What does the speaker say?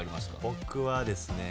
僕はですね